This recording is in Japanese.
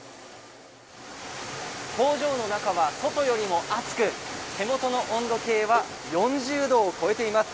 工場の中は外よりも暑く手元の温度計は４０度を超えています。